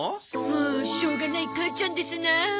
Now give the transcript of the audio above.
もうしょうがない母ちゃんですな。